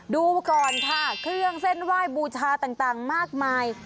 ดูก่อนค่ะเครื่องเส้นไหว้บูชาต่างมากมาย